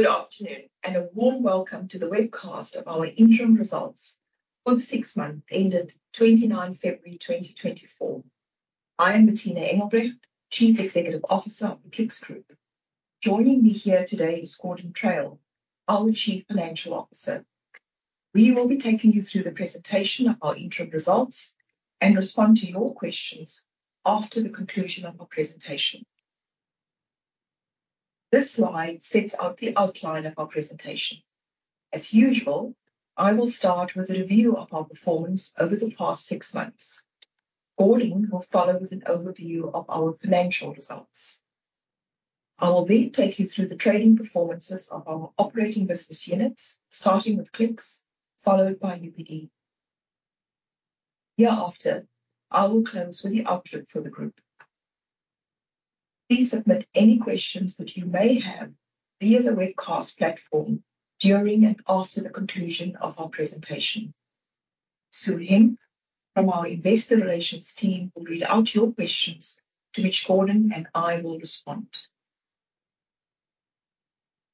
Good afternoon and a warm welcome to the webcast of our interim results for the six-month ended 29 February 2024. I am Bertina Engelbrecht, Chief Executive Officer of the Clicks Group. Joining me here today is Gordon Traill, our Chief Financial Officer. We will be taking you through the presentation of our interim results and respond to your questions after the conclusion of our presentation. This slide sets out the outline of our presentation. As usual, I will start with a review of our performance over the past six months. Gordon will follow with an overview of our financial results. I will then take you through the trading performances of our operating business units, starting with Clicks, followed by UPD. Hereafter, I will close with the outlook for the group. Please submit any questions that you may have via the webcast platform during and after the conclusion of our presentation. Sue Hemp from our Investor Relations team will read out your questions, to which Gordon and I will respond.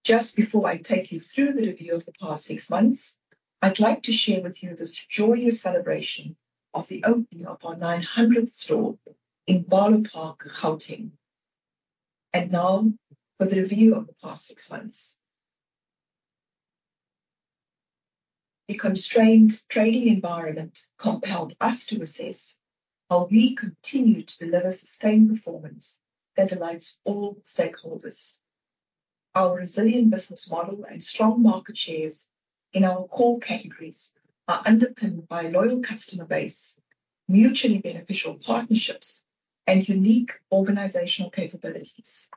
Just before I take you through the review of the past six months, I'd like to share with you this joyous celebration of the opening of our 900th store in Barlow Park, Gauteng. Now, for the review of the past six months. The constrained trading environment compelled us to assess how we continue to deliver sustained performance that delights all stakeholders. Our resilient business model and strong market shares in our core categories are underpinned by a loyal customer base, mutually beneficial partnerships, and unique organizational capabilities.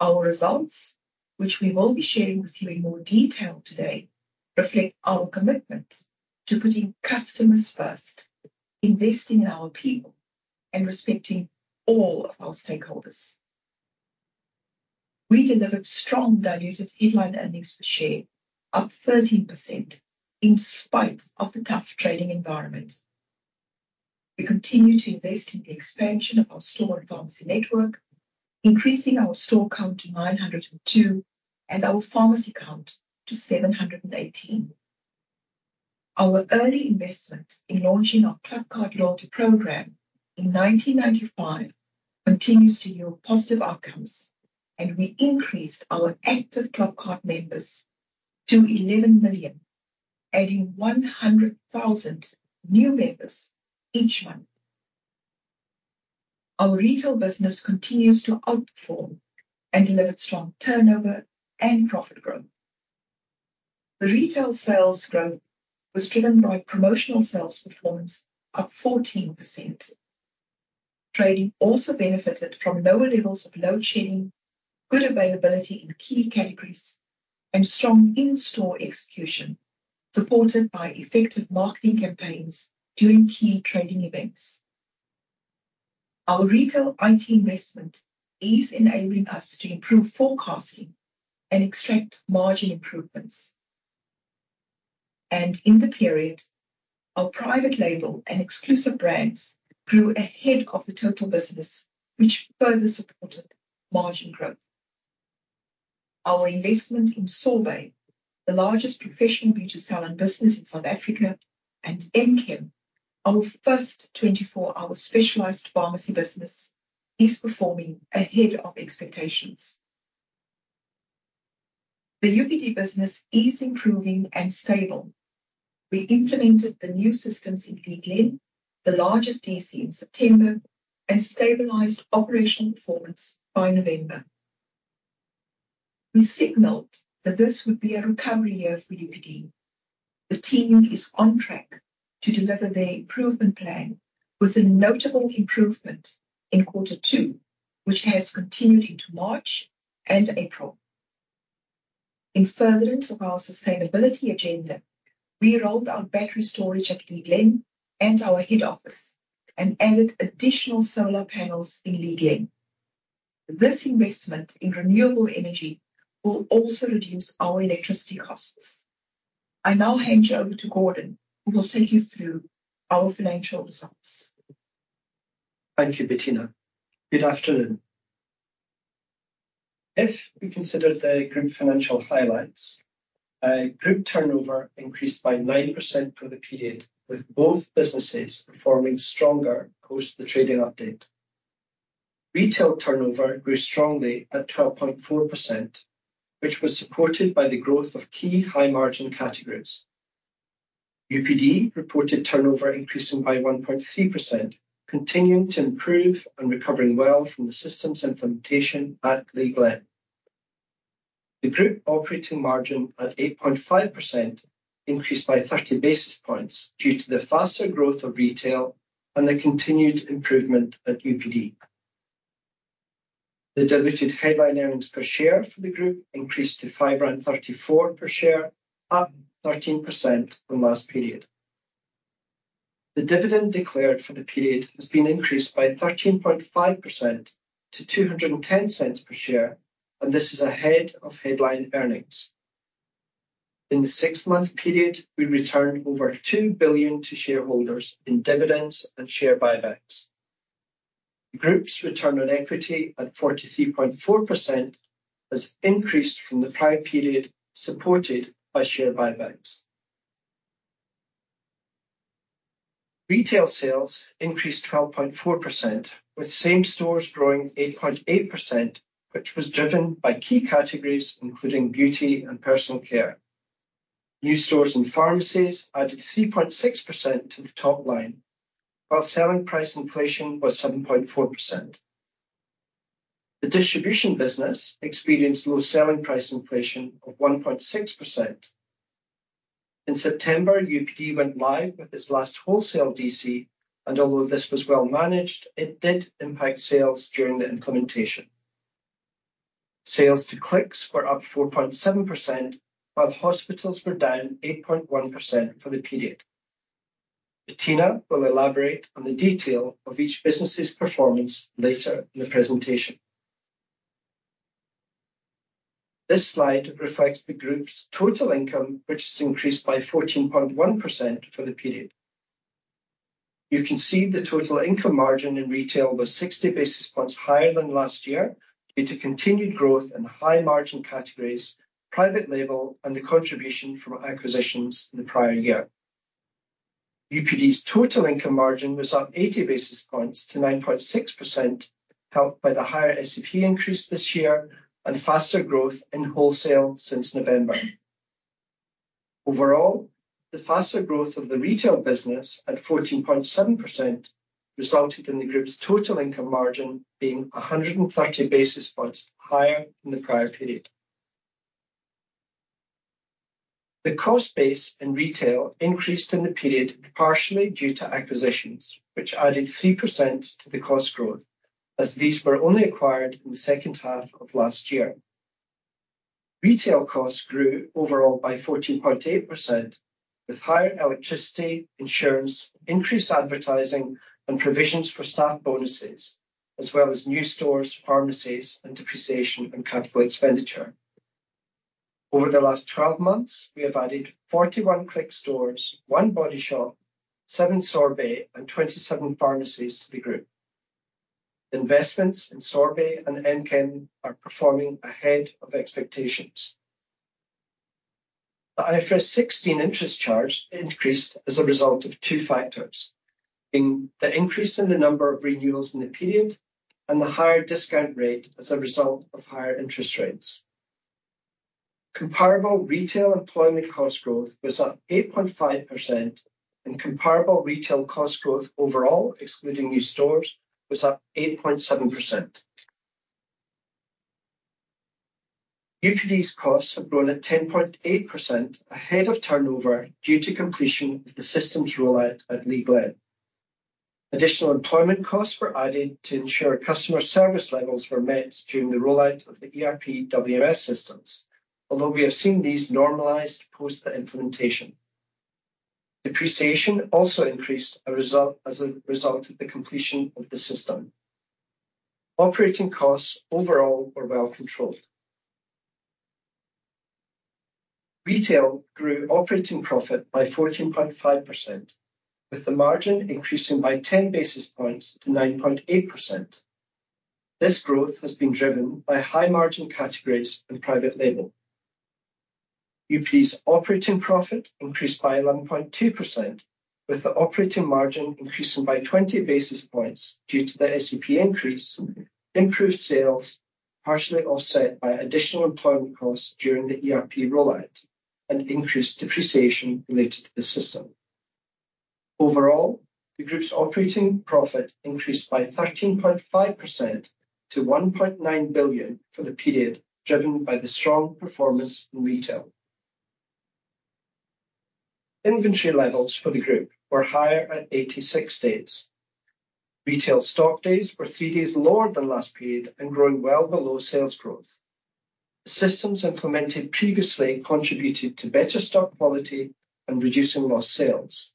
Our results, which we will be sharing with you in more detail today, reflect our commitment to putting customers first, investing in our people, and respecting all of our stakeholders. We delivered strong diluted headline earnings per share, up 13%, in spite of the tough trading environment. We continue to invest in the expansion of our store and pharmacy network, increasing our store count to 902 and our pharmacy count to 718. Our early investment in launching our ClubCard loyalty program in 1995 continues to yield positive outcomes, and we increased our active ClubCard members to 11 million, adding 100,000 new members each month. Our retail business continues to outperform and deliver strong turnover and profit growth. The retail sales growth was driven by promotional sales performance, up 14%. Trading also benefited from lower levels of load shedding, good availability in key categories, and strong in-store execution, supported by effective marketing campaigns during key trading events. Our retail IT investment is enabling us to improve forecasting and extract margin improvements. In the period, our private label and exclusive brands grew ahead of the total business, which further supported margin growth. Our investment in Sorbet, the largest professional beauty salon business in South Africa, and M-KEM, our first 24-hour specialized pharmacy business, is performing ahead of expectations. The UPD business is improving and stable. We implemented the new systems in Cleveland, the largest DC in September, and stabilized operational performance by November. We signaled that this would be a recovery year for UPD. The team is on track to deliver their improvement plan with a notable improvement in quarter two, which has continued into March and April. In furtherance of our sustainability agenda, we rolled out battery storage at Cleveland and our head office and added additional solar panels in Cleveland. This investment in renewable energy will also reduce our electricity costs. I now hand you over to Gordon, who will take you through our financial results. Thank you, Bertina. Good afternoon. If we consider the group financial highlights, group turnover increased by 9% for the period, with both businesses performing stronger post the trading update. Retail turnover grew strongly at 12.4%, which was supported by the growth of key high-margin categories. UPD reported turnover increasing by 1.3%, continuing to improve and recovering well from the systems implementation at Cleveland. The group operating margin at 8.5% increased by 30 basis points due to the faster growth of retail and the continued improvement at UPD. The diluted headline earnings per share for the group increased to 5.34 rand per share, up 13% from last period. The dividend declared for the period has been increased by 13.5% to 2.10 per share, and this is ahead of headline earnings. In the six-month period, we returned over 2 billion to shareholders in dividends and share buybacks. The group's return on equity at 43.4% has increased from the prior period, supported by share buybacks. Retail sales increased 12.4%, with same stores growing 8.8%, which was driven by key categories including beauty and personal care. New stores and pharmacies added 3.6% to the top line, while selling price inflation was 7.4%. The distribution business experienced low selling price inflation of 1.6%. In September, UPD went live with its last wholesale DC, and although this was well managed, it did impact sales during the implementation. Sales to Clicks were up 4.7%, while hospitals were down 8.1% for the period. Bertina will elaborate on the detail of each business's performance later in the presentation. This slide reflects the group's total income, which has increased by 14.1% for the period. You can see the total income margin in retail was 60 basis points higher than last year due to continued growth in high-margin categories, private label, and the contribution from acquisitions in the prior year. UPD's total income margin was up 80 basis points to 9.6%, helped by the higher SEP increase this year and faster growth in wholesale since November. Overall, the faster growth of the retail business at 14.7% resulted in the group's total income margin being 130 basis points higher than the prior period. The cost base in retail increased in the period partially due to acquisitions, which added 3% to the cost growth, as these were only acquired in the second half of last year. Retail costs grew overall by 14.8%, with higher electricity, insurance, increased advertising, and provisions for staff bonuses, as well as new stores, pharmacies, and depreciation on capital expenditure. Over the last 12 months, we have added 41 Clicks stores, one Body Shop, seven Sorbet, and 27 pharmacies to the group. Investments in Sorbet and M-KEM are performing ahead of expectations. The IFRS 16 interest charge increased as a result of two factors, being the increase in the number of renewals in the period and the higher discount rate as a result of higher interest rates. Comparable retail employment cost growth was up 8.5%, and comparable retail cost growth overall, excluding new stores, was up 8.7%. UPD's costs have grown at 10.8% ahead of turnover due to completion of the systems rollout at Cleveland. Additional employment costs were added to ensure customer service levels were met during the rollout of the ERP/WMS systems, although we have seen these normalized post-the-implementation. Depreciation also increased as a result of the completion of the system. Operating costs overall were well controlled. Retail grew operating profit by 14.5%, with the margin increasing by 10 basis points to 9.8%. This growth has been driven by high-margin categories and private label. UPD's operating profit increased by 11.2%, with the operating margin increasing by 20 basis points due to the SEP increase, improved sales partially offset by additional employment costs during the ERP rollout, and increased depreciation related to the system. Overall, the group's operating profit increased by 13.5% to 1.9 billion for the period, driven by the strong performance in retail. Inventory levels for the group were higher at 86 days. Retail stock days were three days lower than last period and growing well below sales growth. The systems implemented previously contributed to better stock quality and reducing lost sales.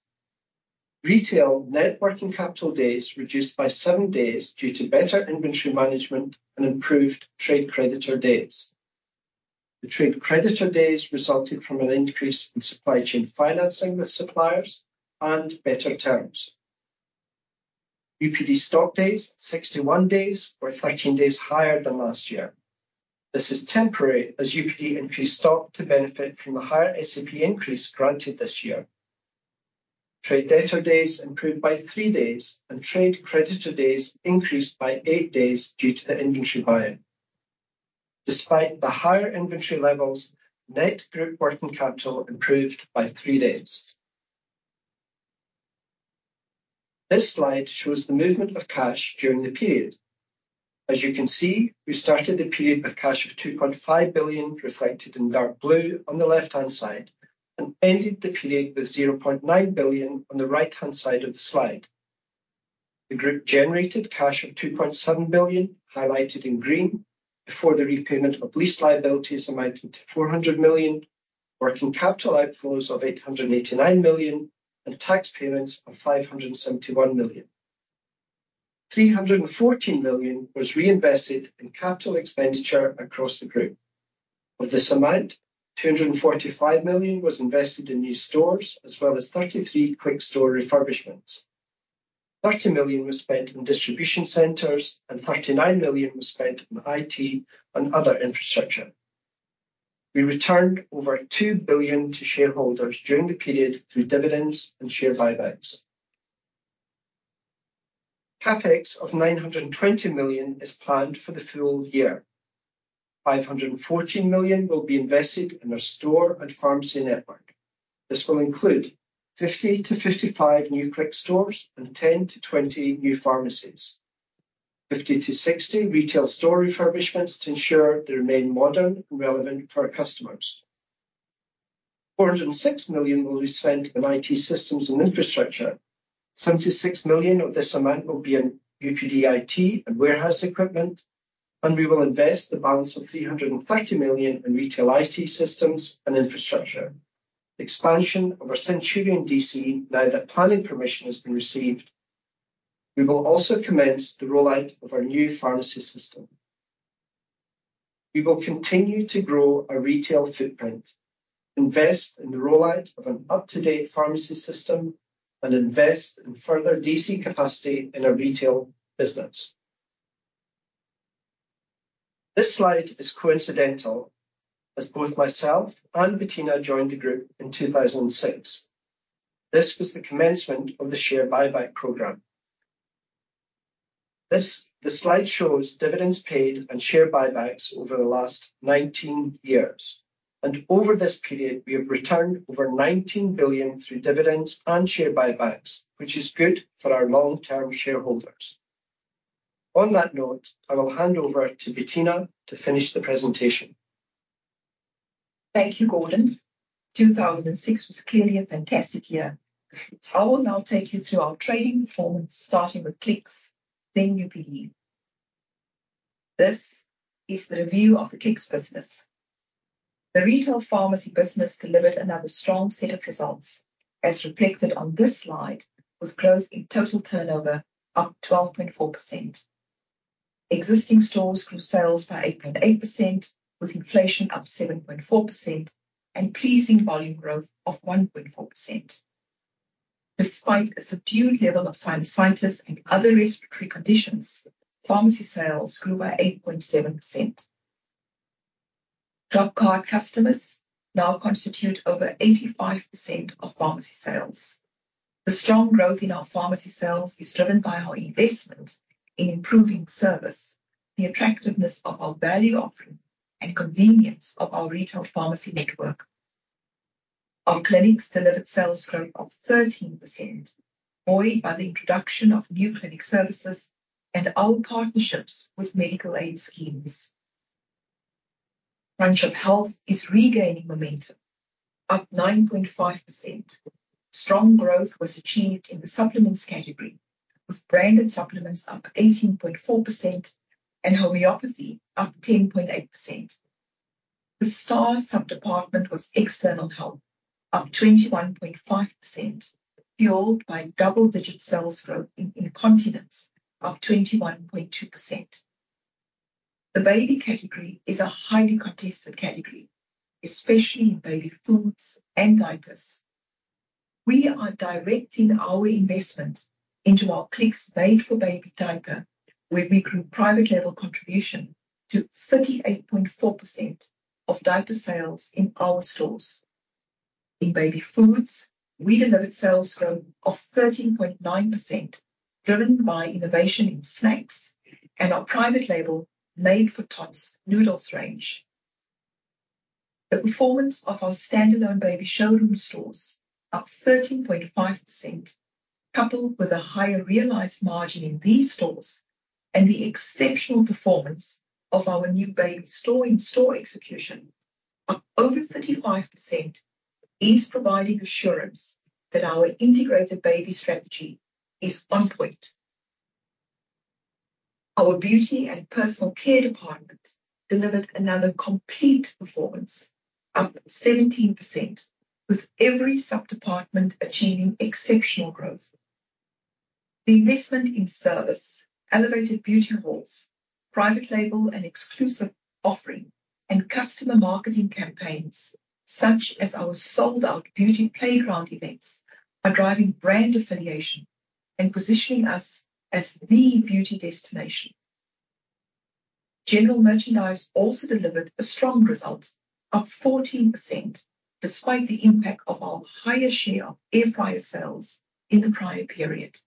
Retail net working capital days reduced by seven days due to better inventory management and improved trade creditor days. The trade creditor days resulted from an increase in supply chain financing with suppliers and better terms. UPD stock days, 61 days, were 13 days higher than last year. This is temporary as UPD increased stock to benefit from the higher SEP increase granted this year. Trade debtor days improved by three days, and trade creditor days increased by eight days due to the inventory buy-in. Despite the higher inventory levels, net group working capital improved by three days. This slide shows the movement of cash during the period. As you can see, we started the period with cash of 2.5 billion, reflected in dark blue on the left-hand side, and ended the period with 0.9 billion on the right-hand side of the slide. The group generated cash of 2.7 billion, highlighted in green, before the repayment of lease liabilities amounting to 400 million, working capital outflows of 889 million, and tax payments of 571 million. 314 million was reinvested in capital expenditure across the group. Of this amount, 245 million was invested in new stores as well as 33 Clicks store refurbishments. 30 million was spent on distribution centres, and 39 million was spent on IT and other infrastructure. We returned over 2 billion to shareholders during the period through dividends and share buybacks. CapEx of 920 million is planned for the full year. 514 million will be invested in our store and pharmacy network. This will include 50-55 new Clicks stores and 10-20 new pharmacies, 50-60 retail store refurbishments to ensure they remain modern and relevant for our customers. 406 million will be spent on IT systems and infrastructure. 76 million of this amount will be in UPD IT and warehouse equipment, and we will invest the balance of 330 million in retail IT systems and infrastructure. Expansion of our Centurion DC, now that planning permission has been received. We will also commence the rollout of our new pharmacy system. We will continue to grow our retail footprint, invest in the rollout of an up-to-date pharmacy system, and invest in further DC capacity in our retail business. This slide is coincidental, as both myself and Bertina joined the group in 2006. This was the commencement of the share buyback program. The slide shows dividends paid and share buybacks over the last 19 years, and over this period, we have returned over 19 billion through dividends and share buybacks, which is good for our long-term shareholders. On that note, I will hand over to Bertina to finish the presentation. Thank you, Gordon. 2006 was clearly a fantastic year. I will now take you through our trading performance, starting with Clicks, then UPD. This is the review of the Clicks business. The retail pharmacy business delivered another strong set of results, as reflected on this slide, with growth in total turnover up 12.4%. Existing stores grew sales by 8.8%, with inflation up 7.4% and pleasing volume growth of 1.4%. Despite a subdued level of sinusitis and other respiratory conditions, pharmacy sales grew by 8.7%. ClubCard customers now constitute over 85% of pharmacy sales. The strong growth in our pharmacy sales is driven by our investment in improving service, the attractiveness of our value offering, and convenience of our retail pharmacy network. Our clinics delivered sales growth of 13%, buoyed by the introduction of new clinic services and our partnerships with medical aid schemes. Front Shop is regaining momentum, up 9.5%. Strong growth was achieved in the supplements category, with branded supplements up 18.4% and homeopathy up 10.8%. The STAR sub-department was external health, up 21.5%, fueled by double-digit sales growth in incontinence, up 21.2%. The baby category is a highly contested category, especially in baby foods and diapers. We are directing our investment into our Clicks Made for Baby diaper, where we grew private label contribution to 38.4% of diaper sales in our stores. In baby foods, we delivered sales growth of 13.9%, driven by innovation in snacks and our private label Made 4 Tots noodles range. The performance of our standalone baby showroom stores, up 13.5%, coupled with a higher realized margin in these stores and the exceptional performance of our new baby store-in-store execution, up over 35%, is providing assurance that our integrated baby strategy is on point. Our beauty and personal care department delivered another complete performance, up 17%, with every subdepartment achieving exceptional growth. The investment in service, elevated beauty hauls, private label and exclusive offering, and customer marketing campaigns, such as our sold-out beauty playground events, are driving brand affiliation and positioning us as the beauty destination. General merchandise also delivered a strong result, up 14%, despite the impact of our higher share of air fryer sales in the prior period.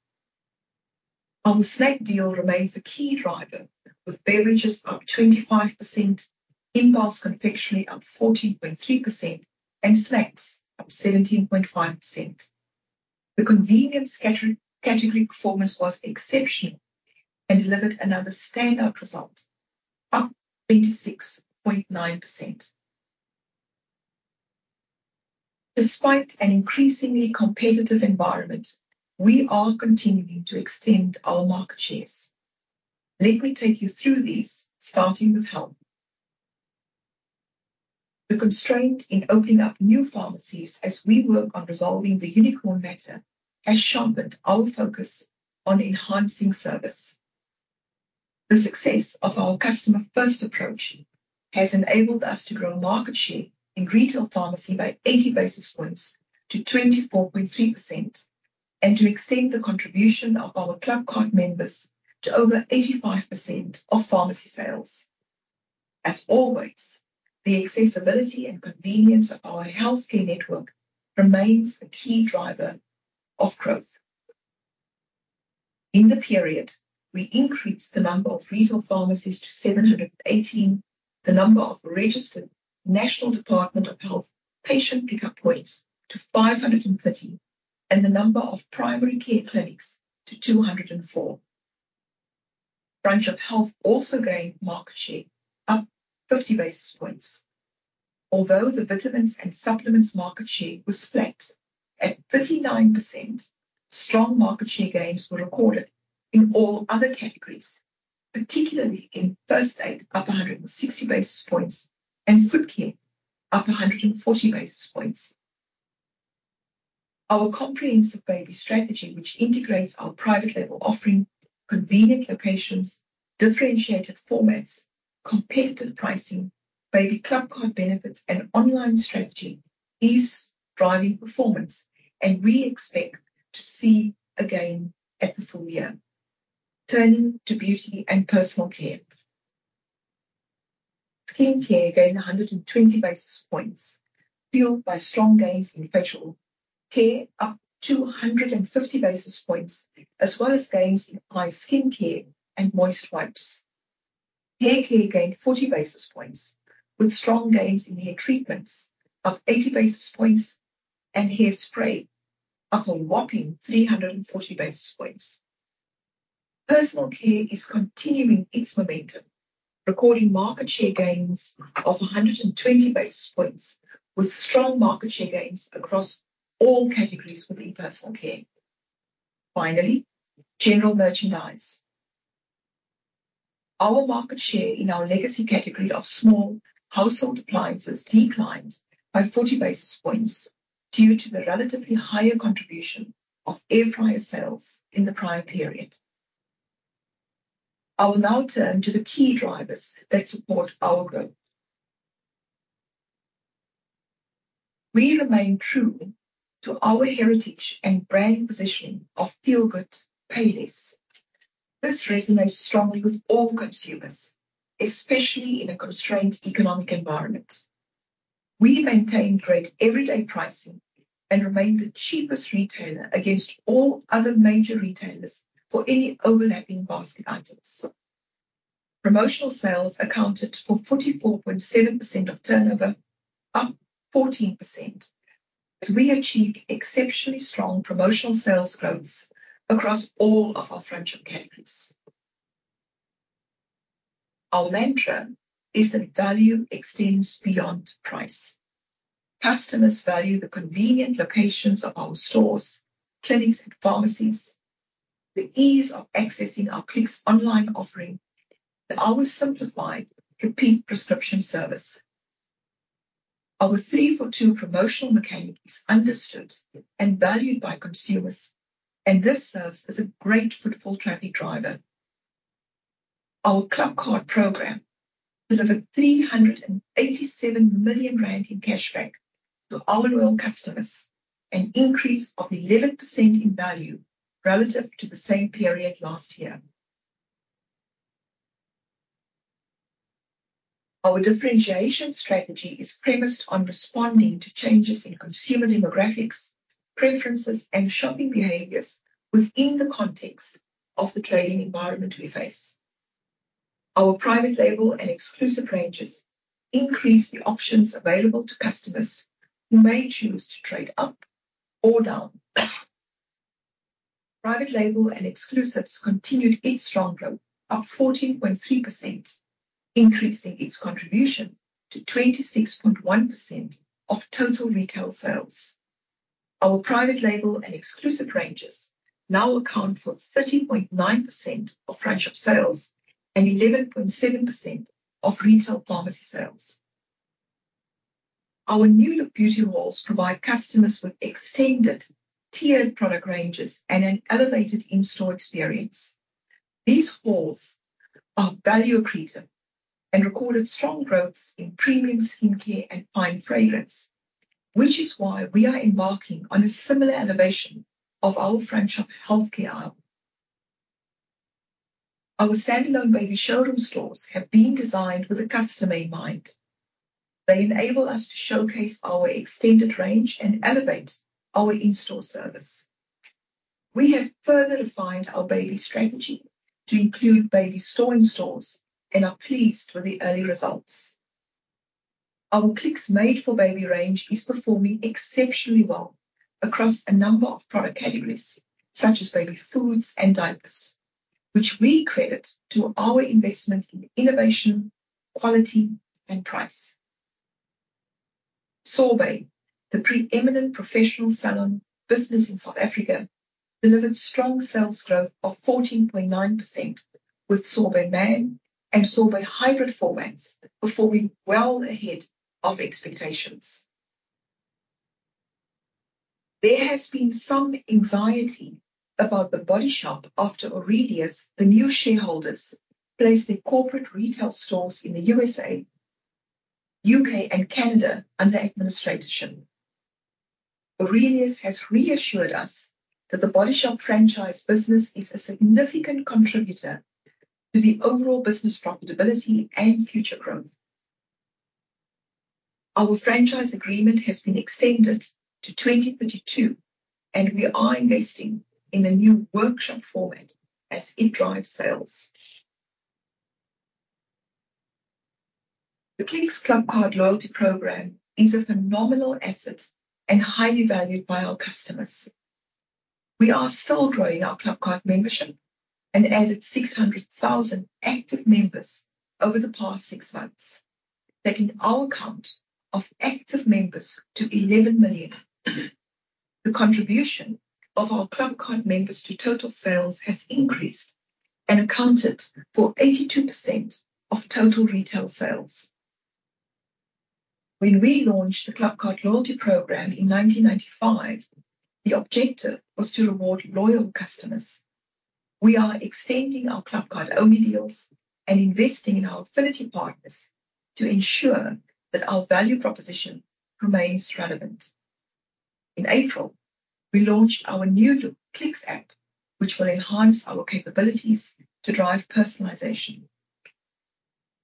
Our snack deal remains a key driver, with beverages up 25%, impulse confectionery up 14.3%, and snacks up 17.5%. The convenience category performance was exceptional and delivered another standout result, up 26.9%. Despite an increasingly competitive environment, we are continuing to extend our market shares. Let me take you through these, starting with health. The constraint in opening up new pharmacies as we work on resolving the Unicorn matter has sharpened our focus on enhancing service. The success of our customer-first approach has enabled us to grow market share in retail pharmacy by 80 basis points to 24.3% and to extend the contribution of our club card members to over 85% of pharmacy sales. As always, the accessibility and convenience of our healthcare network remains a key driver of growth. In the period, we increased the number of retail pharmacies to 718, the number of registered National Department of Health patient pickup points to 530, and the number of primary care clinics to 204. UPD also gained market share, up 50 basis points. Although the vitamins and supplements market share was flat at 39%, strong market share gains were recorded in all other categories, particularly in first aid, up 160 basis points, and foot care, up 140 basis points. Our comprehensive baby strategy, which integrates our private label offering, convenient locations, differentiated formats, competitive pricing, baby club card benefits, and online strategy, is driving performance, and we expect to see a gain at the full year. Turning to beauty and personal care. Skin care gained 120 basis points, fueled by strong gains in facial care, up 250 basis points, as well as gains in eye skin care and moist wipes. Hair care gained 40 basis points, with strong gains in hair treatments, up 80 basis points, and hair spray, up a whopping 340 basis points. Personal care is continuing its momentum, recording market share gains of 120 basis points, with strong market share gains across all categories within personal care. Finally, general merchandise. Our market share in our legacy category of small household appliances declined by 40 basis points due to the relatively higher contribution of air fryer sales in the prior period. I will now turn to the key drivers that support our growth. We remain true to our heritage and brand positioning of feel good, pay less. This resonates strongly with all consumers, especially in a constrained economic environment. We maintained great everyday pricing and remained the cheapest retailer against all other major retailers for any overlapping basket items. Promotional sales accounted for 44.7% of turnover, up 14%, as we achieved exceptionally strong promotional sales growths across all of our breadth of categories. Our mantra is that value extends beyond price. Customers value the convenient locations of our stores, clinics, and pharmacies, the ease of accessing our Clicks online offering, and our simplified repeat prescription service. Our three-for-two promotional mechanic is understood and valued by consumers, and this serves as a great footfall traffic driver. Our club card program delivered 387 million rand in cashback to our loyal customers, an increase of 11% in value relative to the same period last year. Our differentiation strategy is premised on responding to changes in consumer demographics, preferences, and shopping behaviors within the context of the trading environment we face. Our private label and exclusive ranges increase the options available to customers who may choose to trade up or down. Private label and exclusives continued its strong growth, up 14.3%, increasing its contribution to 26.1% of total retail sales. Our private-label and exclusive ranges now account for 30.9% of branch sales and 11.7% of retail pharmacy sales. Our new-look beauty halls provide customers with extended tiered product ranges and an elevated in-store experience. These halls are value accretive and recorded strong growths in premium skin care and fine fragrance, which is why we are embarking on a similar elevation of our branch healthcare aisle. Our standalone baby showroom stores have been designed with a customer in mind. They enable us to showcase our extended range and elevate our in-store service. We have further refined our baby strategy to include baby store-in-stores, and are pleased with the early results. Our Clicks Made for Baby range is performing exceptionally well across a number of product categories, such as baby foods and diapers, which we credit to our investment in innovation, quality, and price. Sorbet, the preeminent professional salon business in South Africa, delivered strong sales growth of 14.9% with Sorbet Man and Sorbet Hybrid formats before being well ahead of expectations. There has been some anxiety about the Body Shop after Aurelius, the new shareholders, placed their corporate retail stores in the USA, U.K., and Canada under administration. Aurelius has reassured us that the Body Shop franchise business is a significant contributor to the overall business profitability and future growth. Our franchise agreement has been extended to 2032, and we are investing in the new workshop format as it drives sales. The Clicks ClubCard loyalty programme is a phenomenal asset and highly valued by our customers. We are still growing our club card membership and added 600,000 active members over the past six months, taking our count of active members to 11 million. The contribution of our ClubCard members to total sales has increased and accounted for 82% of total retail sales. When we launched the ClubCard loyalty program in 1995, the objective was to reward loyal customers. We are extending our ClubCard-only deals and investing in our affinity partners to ensure that our value proposition remains relevant. In April, we launched our new look Clicks app, which will enhance our capabilities to drive personalization.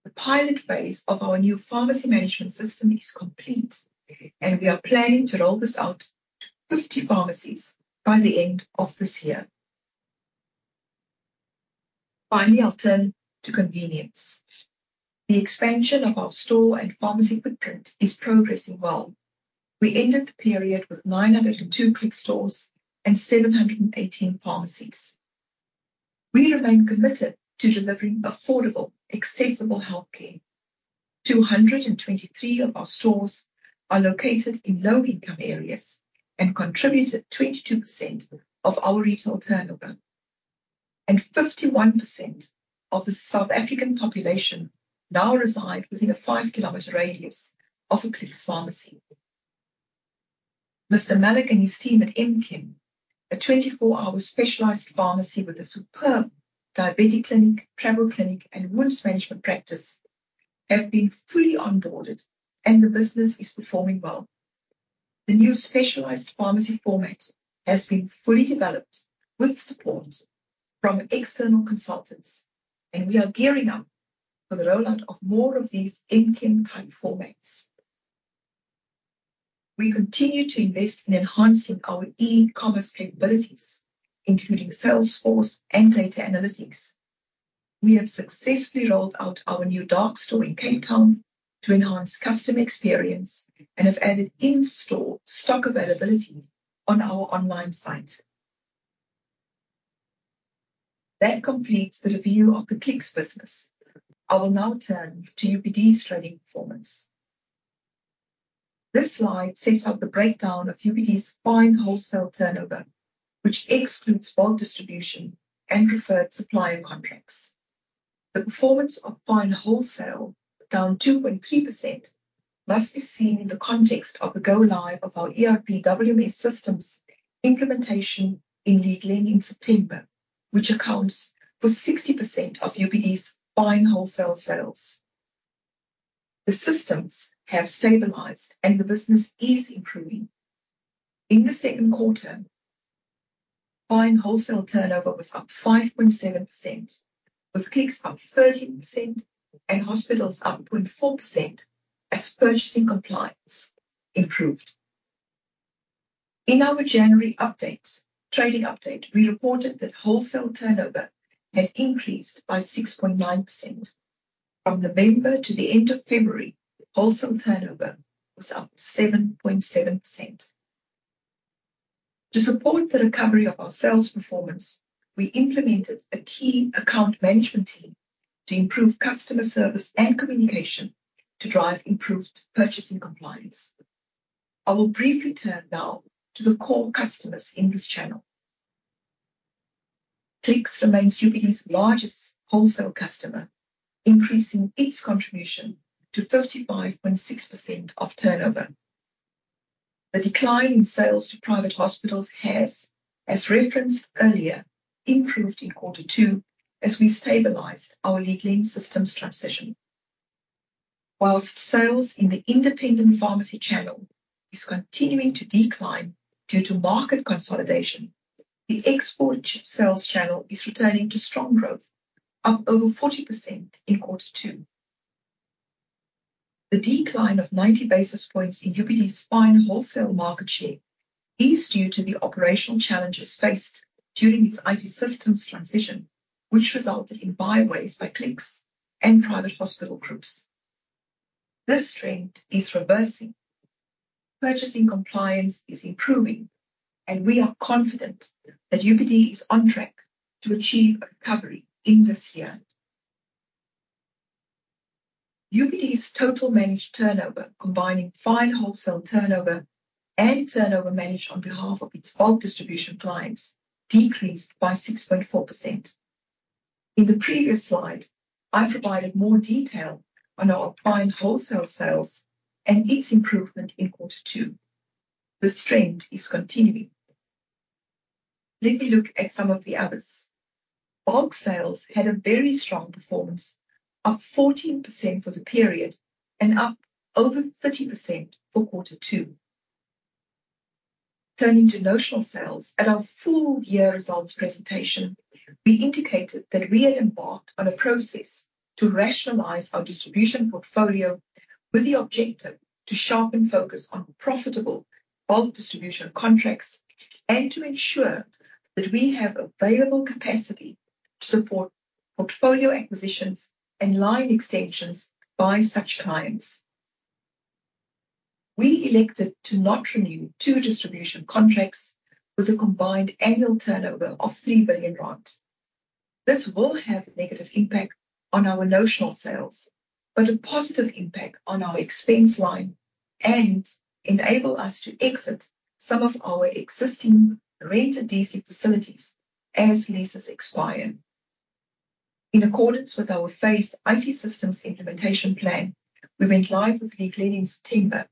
The pilot phase of our new pharmacy management system is complete, and we are planning to roll this out to 50 pharmacies by the end of this year. Finally, I'll turn to convenience. The expansion of our store and pharmacy footprint is progressing well. We ended the period with 902 Clicks stores and 718 pharmacies. We remain committed to delivering affordable, accessible healthcare. 223 of our stores are located in low-income areas and contributed 22% of our retail turnover, and 51% of the South African population now reside within a five-kilometer radius of a Clicks pharmacy. Mr. Mallach and his team at M-KEM, a 24-hour specialized pharmacy with a superb diabetic clinic, travel clinic, and wounds management practice, have been fully onboarded, and the business is performing well. The new specialized pharmacy format has been fully developed with support from external consultants, and we are gearing up for the rollout of more of these M-KEM-type formats. We continue to invest in enhancing our e-commerce capabilities, including Salesforce and data analytics. We have successfully rolled out our new dark store in Cape Town to enhance customer experience and have added in-store stock availability on our online site. That completes the review of the Clicks business. I will now turn to UPD's trading performance. This slide sets up the breakdown of UPD's fine wholesale turnover, which excludes bulk distribution and preferred supplier contracts. The performance of fine wholesale, down 2.3%, must be seen in the context of the go-live of our ERP/WMS systems implementation in Lea Glen in September, which accounts for 60% of UPD's fine wholesale sales. The systems have stabilized, and the business is improving. In the second quarter, fine wholesale turnover was up 5.7%, with Clicks up 13% and hospitals up 0.4% as purchasing compliance improved. In our January trading update, we reported that wholesale turnover had increased by 6.9%. From November to the end of February, wholesale turnover was up 7.7%. To support the recovery of our sales performance, we implemented a key account management team to improve customer service and communication to drive improved purchasing compliance. I will briefly turn now to the core customers in this channel. Clicks remains UPD's largest wholesale customer, increasing its contribution to 55.6% of turnover. The decline in sales to private hospitals has, as referenced earlier, improved in quarter two as we stabilized our legacy systems transition. While sales in the independent pharmacy channel is continuing to decline due to market consolidation, the export sales channel is returning to strong growth, up over 40% in quarter two. The decline of 90 basis points in UPD's fine wholesale market share is due to the operational challenges faced during its IT systems transition, which resulted in buyaways by Clicks and private hospital groups. This trend is reversing. Purchasing compliance is improving, and we are confident that UPD is on track to achieve recovery in this year. UPD's total managed turnover, combining fine wholesale turnover and turnover managed on behalf of its bulk distribution clients, decreased by 6.4%. In the previous slide, I provided more detail on our fine wholesale sales and its improvement in quarter two. The trend is continuing. Let me look at some of the others. Bulk sales had a very strong performance, up 14% for the period and up over 30% for quarter two. Turning to notional sales, at our full year results presentation, we indicated that we had embarked on a process to rationalize our distribution portfolio with the objective to sharpen focus on profitable bulk distribution contracts and to ensure that we have available capacity to support portfolio acquisitions and line extensions by such clients. We elected to not renew two distribution contracts with a combined annual turnover of 3 billion rand. This will have a negative impact on our notional sales, but a positive impact on our expense line and enable us to exit some of our existing rented DC facilities as leases expire. In accordance with our phase IT systems implementation plan, we went live with Lea Glen in September.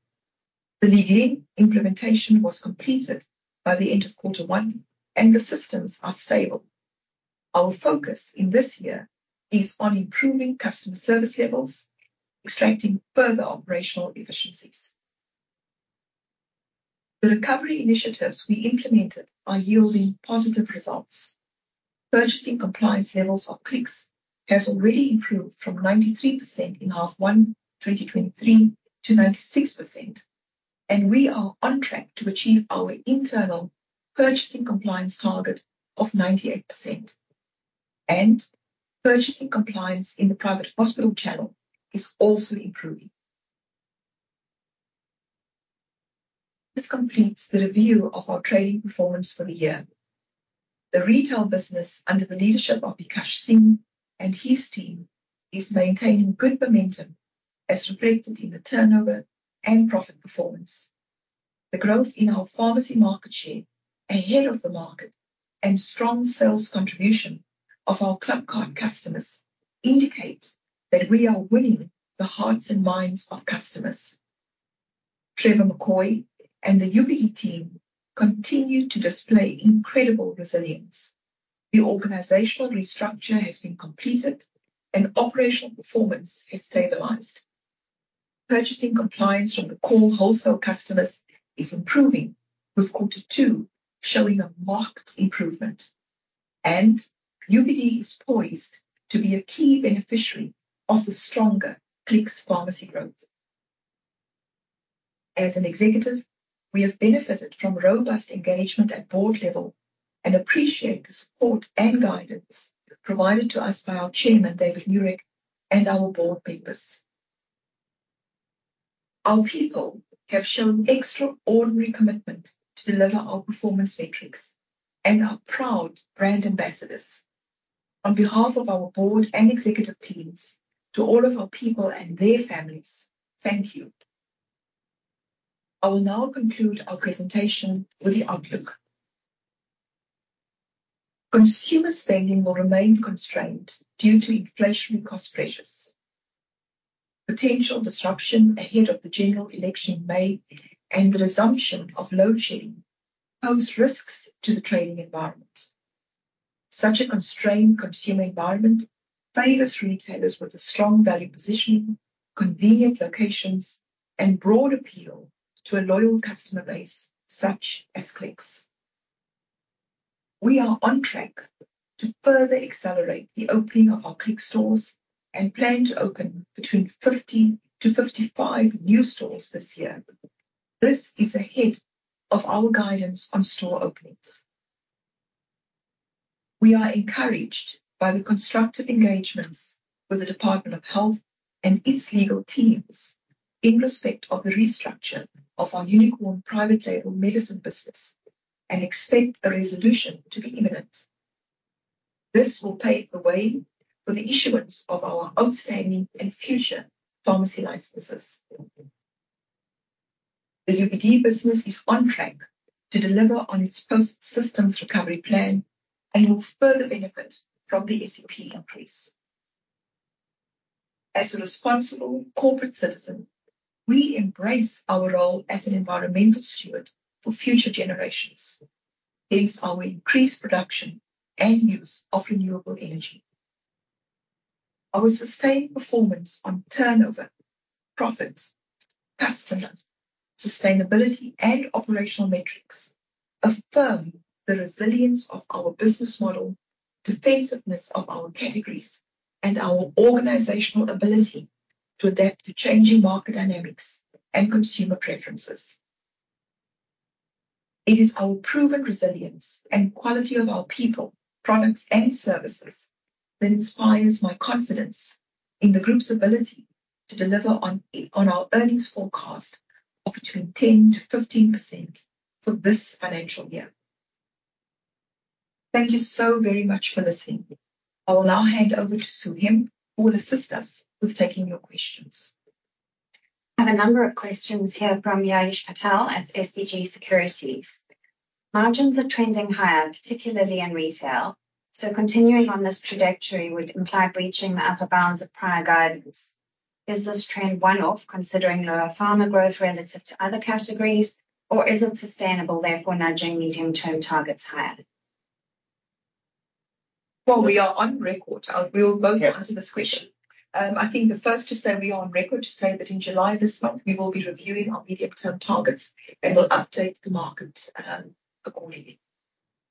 The Lea Glen implementation was completed by the end of quarter one, and the systems are stable. Our focus in this year is on improving customer service levels, extracting further operational efficiencies. The recovery initiatives we implemented are yielding positive results. Purchasing compliance levels of Clicks has already improved from 93% in half one 2023 to 96%, and we are on track to achieve our internal purchasing compliance target of 98%. Purchasing compliance in the private hospital channel is also improving. This completes the review of our trading performance for the year. The retail business under the leadership of Vikas Singh and his team is maintaining good momentum as reflected in the turnover and profit performance. The growth in our pharmacy market share ahead of the market and strong sales contribution of our club card customers indicate that we are winning the hearts and minds of customers. Trevor McCoy and the UPD team continue to display incredible resilience. The organizational restructure has been completed, and operational performance has stabilized. Purchasing compliance from the core wholesale customers is improving, with quarter two showing a marked improvement. UPD is poised to be a key beneficiary of the stronger Clicks pharmacy growth. As an executive, we have benefited from robust engagement at board level and appreciate the support and guidance provided to us by our chairman, David Nurek, and our board members. Our people have shown extraordinary commitment to deliver our performance metrics and are proud brand ambassadors. On behalf of our board and executive teams, to all of our people and their families, thank you. I will now conclude our presentation with the outlook. Consumer spending will remain constrained due to inflationary cost pressures. Potential disruption ahead of the general election in May and the resumption of load shedding pose risks to the trading environment. Such a constrained consumer environment favors retailers with a strong value positioning, convenient locations, and broad appeal to a loyal customer base such as Clicks. We are on track to further accelerate the opening of our Clicks stores and plan to open between 50-55 new stores this year. This is ahead of our guidance on store openings. We are encouraged by the constructive engagements with the Department of Health and its legal teams in respect of the restructure of our Unicorn private label medicine business and expect a resolution to be imminent. This will pave the way for the issuance of our outstanding and future pharmacy licenses. The UPD business is on track to deliver on its post-systems recovery plan and will further benefit from the SEP increase. As a responsible corporate citizen, we embrace our role as an environmental steward for future generations. Hence, our increased production and use of renewable energy. Our sustained performance on turnover, profit, customer, sustainability, and operational metrics affirm the resilience of our business model, defensiveness of our categories, and our organizational ability to adapt to changing market dynamics and consumer preferences. It is our proven resilience and quality of our people, products, and services that inspires my confidence in the group's ability to deliver on our earnings forecast of between 10%-15% for this financial year. Thank you so very much for listening. I will now hand over to Sue Hemp, who will assist us with taking your questions. I have a number of questions here from Jayesh Patel at SBG Securities. Margins are trending higher, particularly in retail, so continuing on this trajectory would imply breaching the upper bounds of prior guidance. Is this trend one-off, considering lower pharma growth relative to other categories, or is it sustainable, therefore, nudging medium-term targets higher? Well, we are on record. We will go on to this question. I think the first to say we are on record is to say that in July this month, we will be reviewing our medium-term targets and will update the market accordingly.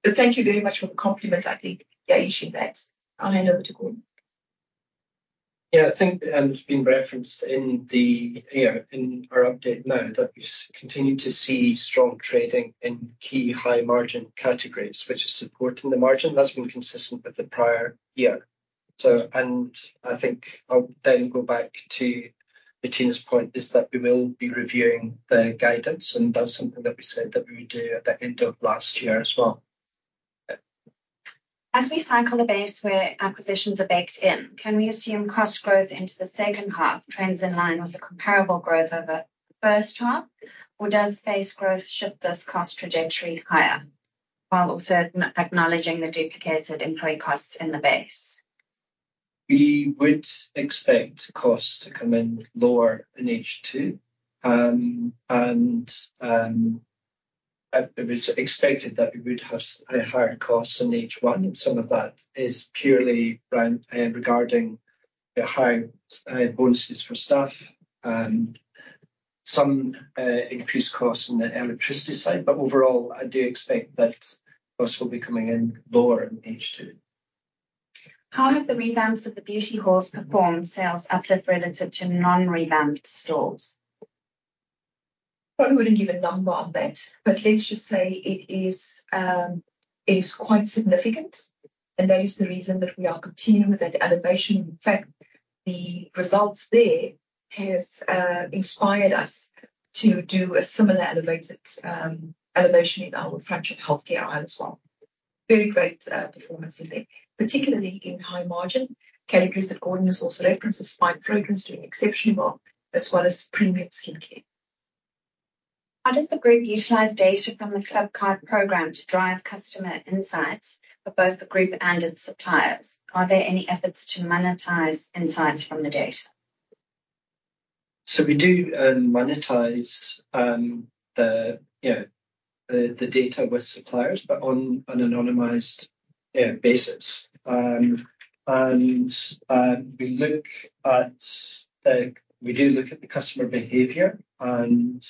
But thank you very much for the compliment, I think, Jayesh, in that. I'll hand over to Gordon. Yeah, I think it's been referenced in our update now that we continue to see strong trading in key high-margin categories, which is supporting the margin. That's been consistent with the prior year. I think I'll then go back to Bertina's point is that we will be reviewing the guidance, and that's something that we said that we would do at the end of last year as well. As we cycle the base where acquisitions are baked in, can we assume cost growth into the second half trends in line with the comparable growth of the first half, or does base growth shift this cost trajectory higher while also acknowledging the duplicated employee costs in the base? We would expect costs to come in lower in H2. It was expected that we would have higher costs in H1, and some of that is purely regarding higher bonuses for staff and some increased costs on the electricity side. Overall, I do expect that costs will be coming in lower in H2. How have the revamps of the beauty halls performed sales uplift relative to non-revamped stores? Probably wouldn't give a number on that, but let's just say it is quite significant, and that is the reason that we are continuing with that elevation. In fact, the results there have inspired us to do a similar elevation in our front-end and healthcare aisle as well. Very great performance in there, particularly in high-margin categories that Gordon has also referenced, despite fragrance doing exceptionally well as well as premium skincare. How does the group utilize data from the ClubCard program to drive customer insights for both the group and its suppliers? Are there any efforts to monetize insights from the data? So we do monetize the data with suppliers, but on an anonymized basis. We do look at the customer behavior and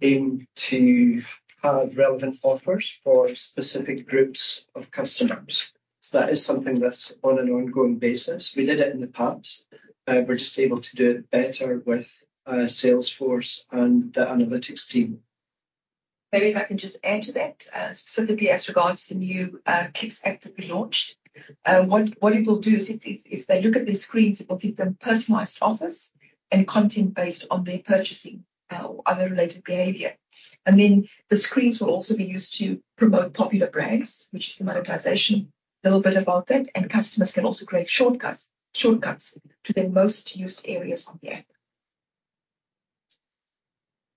aim to have relevant offers for specific groups of customers. So that is something that's on an ongoing basis. We did it in the past. We're just able to do it better with Salesforce and the analytics team. Maybe if I can just add to that, specifically as regards to the new Clicks app that we launched, what it will do is if they look at their screens, it will give them personalized offers and content based on their purchasing or other related behavior. And then the screens will also be used to promote popular brands, which is the monetization, a little bit about that, and customers can also create shortcuts to their most used areas on the app.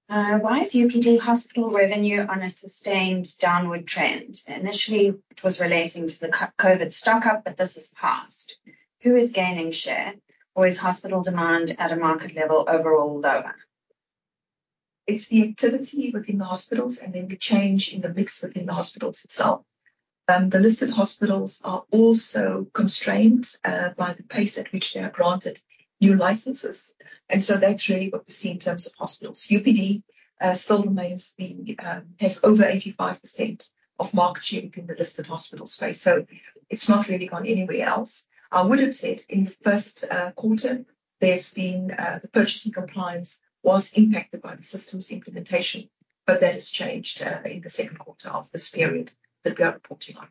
Why is UPD hospital revenue on a sustained downward trend? Initially, it was relating to the COVID stock up, but this has passed. Who is gaining share, or is hospital demand at a market level overall lower? It's the activity within the hospitals and then the change in the mix within the hospitals itself. The listed hospitals are also constrained by the pace at which they are granted new licenses. And so that's really what we see in terms of hospitals. UPD still remains and has over 85% of market share within the listed hospital space, so it's not really gone anywhere else. I would have said in the first quarter, the purchasing compliance was impacted by the systems implementation, but that has changed in the second quarter of this period that we are reporting on.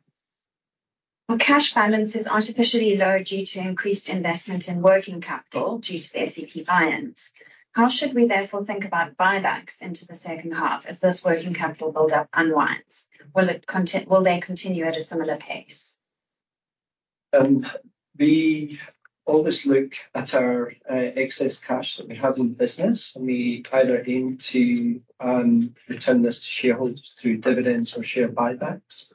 Well, cash balance is artificially low due to increased investment in working capital due to the SEP buy-ins. How should we therefore think about buybacks into the second half as this working capital buildup unwinds? Will they continue at a similar pace? We always look at our excess cash that we have in business, and we either aim to return this to shareholders through dividends or share buybacks.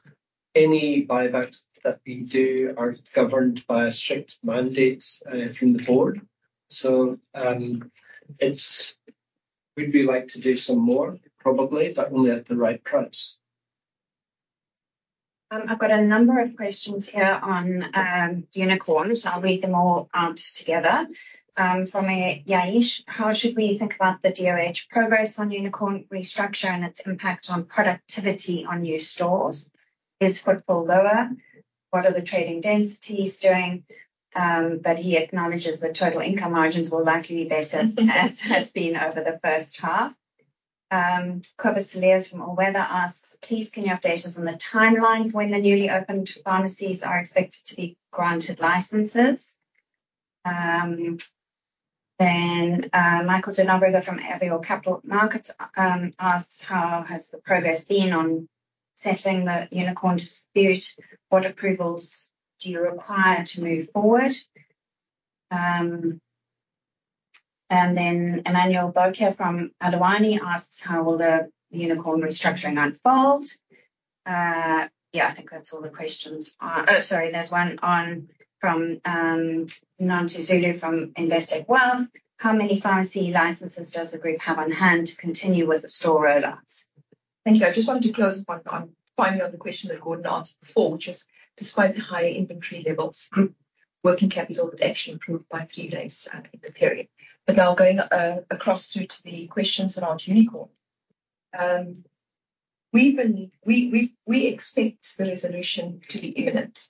Any buybacks that we do are governed by a strict mandate from the board. So we'd like to do some more, probably, but only at the right price. I've got a number of questions here on Unicorn, so I'll read them all out together. From Yayesh, how should we think about the DOH progress on Unicorn restructure and its impact on productivity on new stores? Is footfall lower? What are the trading densities doing? But he acknowledges the total income margins will likely be based as has been over the first half. Kovacsilias from AllWeather asks, please, can you have data on the timeline for when the newly opened pharmacies are expected to be granted licenses? Then Michael de Nobrega from Avior Capital Markets asks, how has the progress been on settling the Unicorn dispute? What approvals do you require to move forward? And then Emanuel Bike from Adani asks, how will the Unicorn restructuring unfold? Yeah, I think that's all the questions are. Oh, sorry, there's one from Nontuthuko Zulu from Investec Wealth. How many pharmacy licenses does the group have on hand to continue with the store rollouts? Thank you. I just wanted to close up on finally on the question that Gordon answered before, which is despite the higher inventory levels, group working capital would actually improve by three days in the period. But now going across through to the questions around Unicorn. We expect the resolution to be imminent,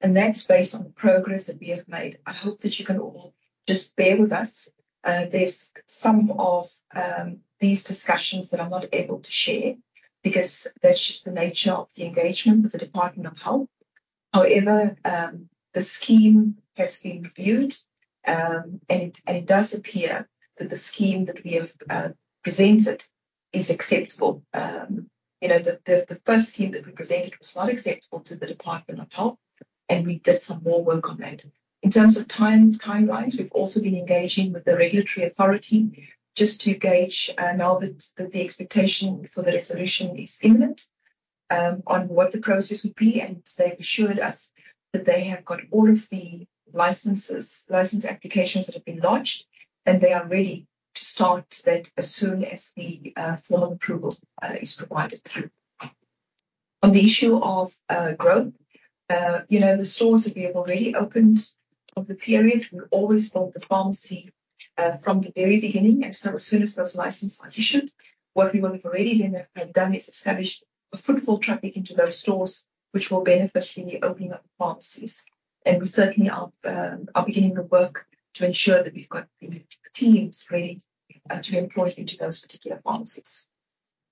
and that's based on the progress that we have made. I hope that you can all just bear with us. There's some of these discussions that I'm not able to share because that's just the nature of the engagement with the Department of Health. However, the scheme has been reviewed, and it does appear that the scheme that we have presented is acceptable. The first scheme that we presented was not acceptable to the Department of Health, and we did some more work on that. In terms of timelines, we've also been engaging with the regulatory authority just to gauge, now that the expectation for the resolution is imminent, on what the process would be. They've assured us that they have got all of the license applications that have been launched, and they are ready to start that as soon as the formal approval is provided through. On the issue of growth, the stores that we have already opened in the period, we always built the pharmacy from the very beginning. So as soon as those licenses are issued, what we will have already done is established a footfall traffic into those stores, which will benefit from the opening up of pharmacies. We certainly are beginning the work to ensure that we've got the teams ready to deploy into those particular pharmacies.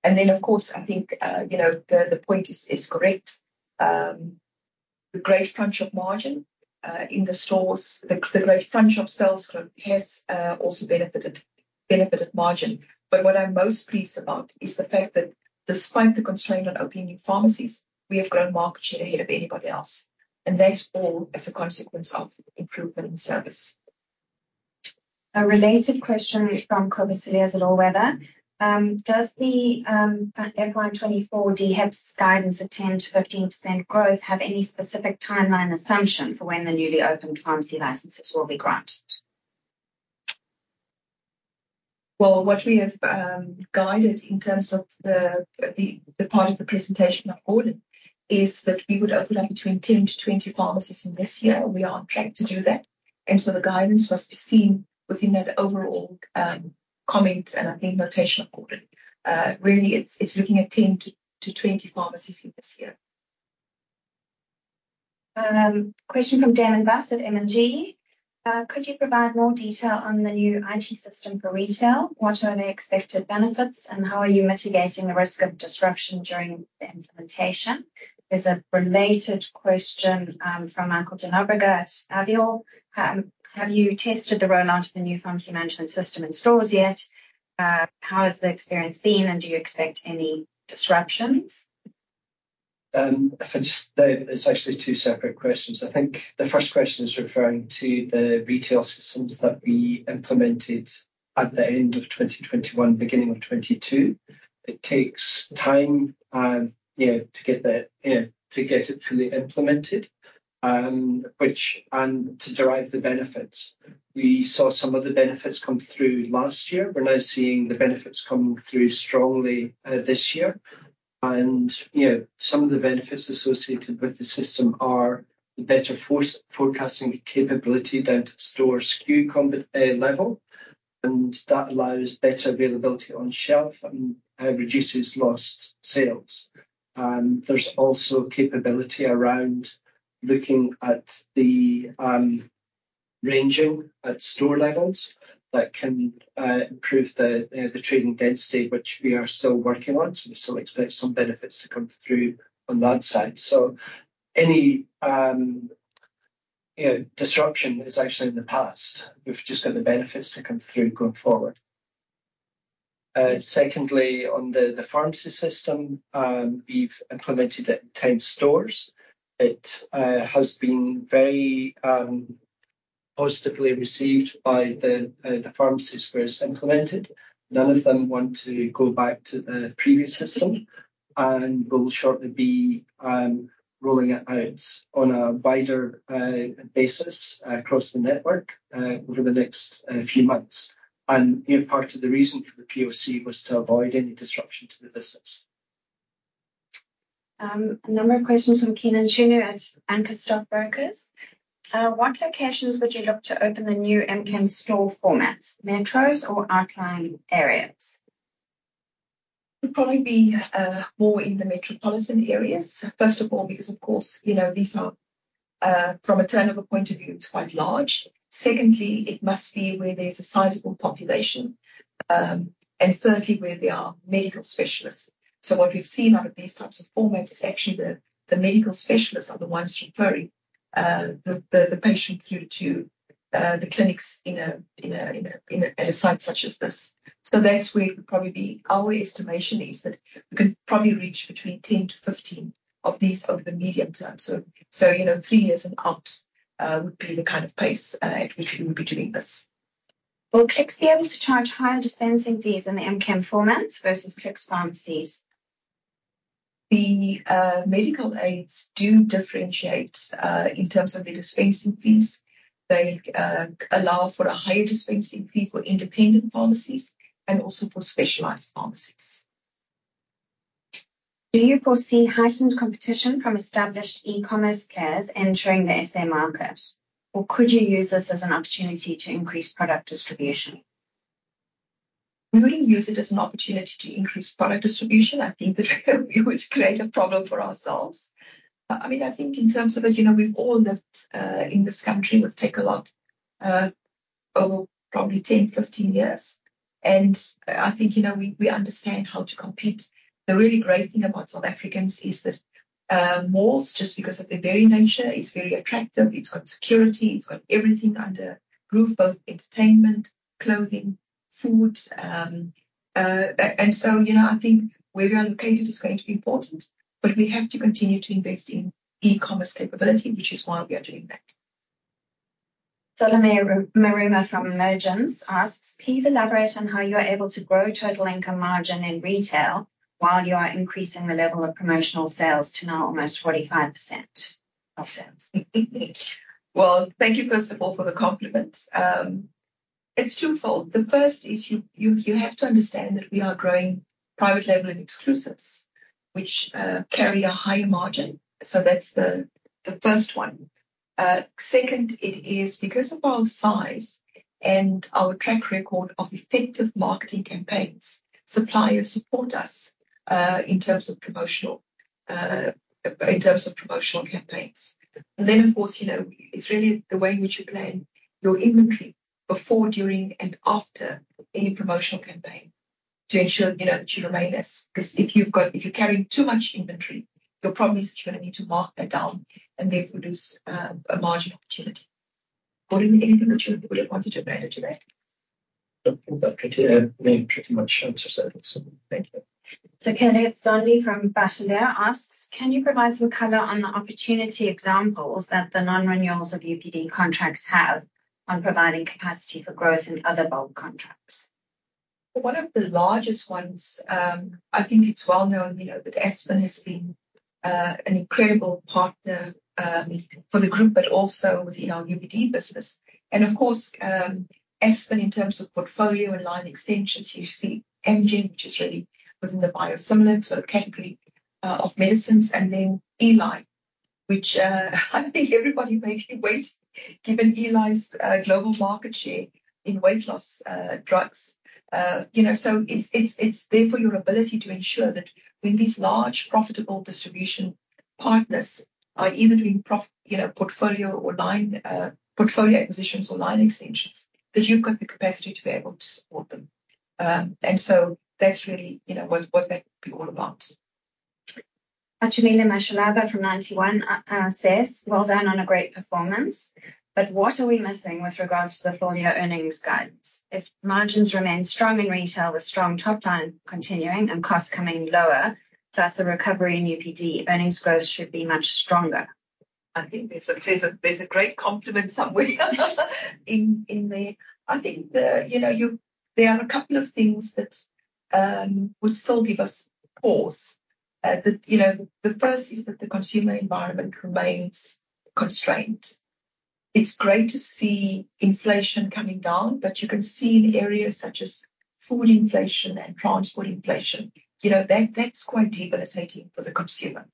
And then, of course, I think the point is correct. The gross margin in the stores, the gross sales growth has also benefited margin. But what I'm most pleased about is the fact that despite the constraint on opening new pharmacies, we have grown market share ahead of anybody else. And that's all as a consequence of improvement in service. A related question from Kovacs Ilias at AllWeather. Does the FY 2024 DHEPS guidance at 10%-15% growth have any specific timeline assumption for when the newly opened pharmacy licenses will be granted? Well, what we have guided in terms of the part of the presentation of Gordon is that we would open up between 10-20 pharmacies in this year. We are on track to do that. And so the guidance must be seen within that overall comment and, I think, notation of Gordon. Really, it's looking at 10-20 pharmacies in this year. Question from Damon Buss at M&G. Could you provide more detail on the new IT system for retail? What are the expected benefits, and how are you mitigating the risk of disruption during the implementation? There's a related question from Michael de Nobrega at Avior. Have you tested the rollout of the new pharmacy management system in stores yet? How has the experience been, and do you expect any disruptions? If I just know, it's actually two separate questions. I think the first question is referring to the retail systems that we implemented at the end of 2021, beginning of 2022. It takes time to get it fully implemented and to derive the benefits. We saw some of the benefits come through last year. We're now seeing the benefits come through strongly this year. And some of the benefits associated with the system are the better forecasting capability down to store SKU level. And that allows better availability on shelf and reduces lost sales. There's also capability around looking at the ranging at store levels that can improve the trading density, which we are still working on. So we still expect some benefits to come through on that side. So any disruption is actually in the past. We've just got the benefits to come through going forward. Secondly, on the pharmacy system, we've implemented it in 10 stores. It has been very positively received by the pharmacies where it's implemented. None of them want to go back to the previous system. We'll shortly be rolling it out on a wider basis across the network over the next few months. Part of the reason for the POC was to avoid any disruption to the business. A number of questions from Keenan Shunor at Anchor Stockbrokers. What locations would you look to open the new M-KEM store formats, metros or outlying areas? It would probably be more in the metropolitan areas, first of all, because, of course, these are from a turnover point of view, it's quite large. Secondly, it must be where there's a sizable population. Thirdly, where there are medical specialists. So what we've seen out of these types of formats is actually the medical specialists are the ones referring the patient through to the clinics at a site such as this. So that's where it would probably be our estimation is that we can probably reach between 10-15 of these over the medium term. So three years and up would be the kind of pace at which we would be doing this. Will Clicks be able to charge higher dispensing fees in the MCAM format versus Clicks pharmacies? The medical aids do differentiate in terms of their dispensing fees. They allow for a higher dispensing fee for independent pharmacies and also for specialized pharmacies. Do you foresee heightened competition from established e-commerce giants entering the SA market, or could you use this as an opportunity to increase product distribution? We wouldn't use it as an opportunity to increase product distribution. I think that we would create a problem for ourselves. I mean, I think in terms of it, we've all lived in this country with Takealot over probably 10, 15 years. And I think we understand how to compete. The really great thing about South Africans is that malls, just because of their very nature, is very attractive. It's got security. It's got everything under roof, both entertainment, clothing, food. And so I think where we are located is going to be important, but we have to continue to invest in e-commerce capability, which is why we are doing that. Salome Maruma from Mergence asks, please elaborate on how you are able to grow total income margin in retail while you are increasing the level of promotional sales to now almost 45% of sales? Well, thank you, first of all, for the compliments. It's twofold. The first is you have to understand that we are growing private label and exclusives, which carry a higher margin. So that's the first one. Second, it is because of our size and our track record of effective marketing campaigns, suppliers support us in terms of promotional campaigns. And then, of course, it's really the way in which you plan your inventory before, during, and after any promotional campaign to ensure that you remain as because if you're carrying too much inventory, your problem is that you're going to need to mark that down and therefore lose a margin opportunity. Gordon, anything that you would have wanted to add to that? I think that Katya pretty much answers that also. Thank you. Kenneth Sunday from Battendeur asks, can you provide some color on the opportunity examples that the non-renewals of UPD contracts have on providing capacity for growth in other bulk contracts? One of the largest ones, I think it's well known that Aspen has been an incredible partner for the group, but also within our UPD business. Of course, Aspen, in terms of portfolio and line extensions, you see Amgen, which is really within the biosimilar category of medicines, and then ELI, which I think everybody may be waiting, given ELI's global market share in weight loss drugs. So it's there for your ability to ensure that when these large profitable distribution partners are either doing portfolio acquisitions or line extensions, that you've got the capacity to be able to support them. And so that's really what that would be all about. Ajimile Mashalaba from Ninety One says, Well done on a great performance. But what are we missing with regards to the full-year earnings guidance? If margins remain strong in retail with strong top-line continuing and costs coming lower, plus a recovery in UPD, earnings growth should be much stronger. I think there's a great compliment somewhere in there. I think there are a couple of things that would still give us pause. The first is that the consumer environment remains constrained. It's great to see inflation coming down, but you can see in areas such as food inflation and transport inflation, that's quite debilitating for the consumer.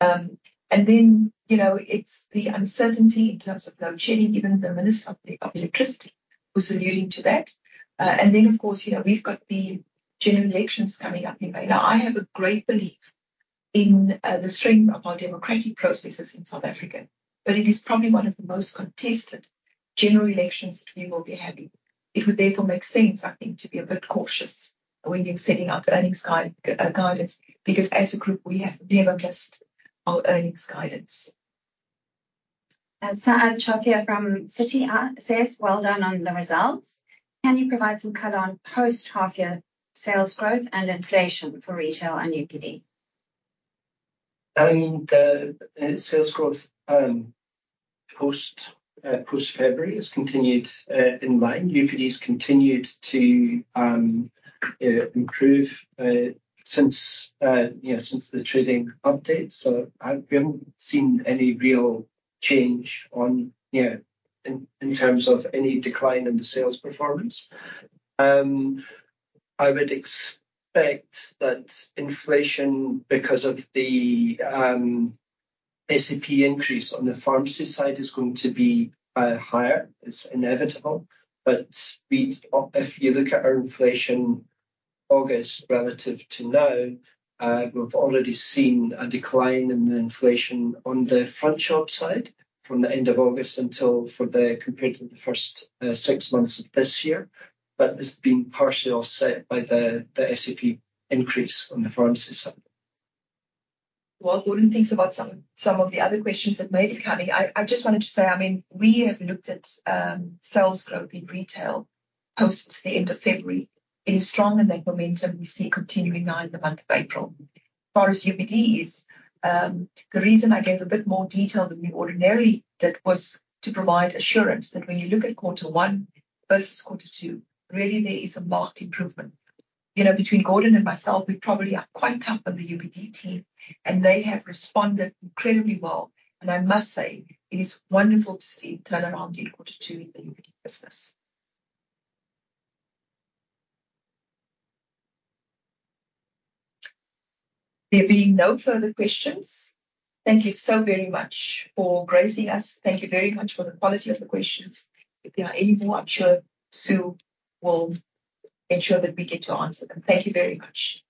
And then it's the uncertainty in terms of load shedding, even the Minister of Electricity was alluding to that. And then, of course, we've got the general elections coming up in May. Now, I have a great belief in the strength of our democratic processes in South Africa, but it is probably one of the most contested general elections that we will be having. It would therefore make sense, I think, to be a bit cautious when you're setting out earnings guidance because as a group, we have never missed our earnings guidance. Saad Shafia from Citi says, "Well done on the results. Can you provide some color on post-H1 FY sales growth and inflation for retail and UPD? The sales growth post-February has continued in line. UPD's continued to improve since the trading update. So we haven't seen any real change in terms of any decline in the sales performance. I would expect that inflation, because of the SEP increase on the pharmacy side, is going to be higher. It's inevitable. But if you look at our inflation August relative to now, we've already seen a decline in the inflation on the front shop side from the end of August compared to the first six months of this year. But it's been partially offset by the SEP increase on the pharmacy side. While Gordon thinks about some of the other questions that may be coming, I just wanted to say, I mean, we have looked at sales growth in retail post the end of February. It is strong in that momentum. We see continuing now in the month of April. As far as UPD is, the reason I gave a bit more detail than we ordinarily did was to provide assurance that when you look at quarter one versus quarter two, really, there is a marked improvement. Between Gordon and myself, we probably are quite tough on the UPD team, and they have responded incredibly well. And I must say, it is wonderful to see turnaround in quarter two in the UPD business. There being no further questions, thank you so very much for gracing us. Thank you very much for the quality of the questions. If there are any more, I'm sure Sue will ensure that we get to answer them. Thank you very much.